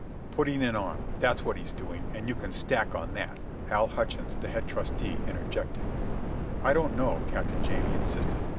"Putting it on, that's what he's doing, and you can stack on that," Al Hutchins, the head trusty, interjected. "I don't know," Captain Jamie insisted.